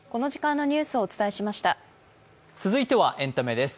続いてはエンタメです。